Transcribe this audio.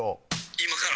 「今から？」